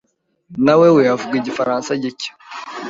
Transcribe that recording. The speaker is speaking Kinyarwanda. nawewe avuga igifaransa gike.